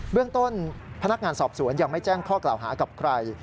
เรื่องต้นพนักงานสอบสวนยังไม่แจ้งข้อกล่าวหากับใคร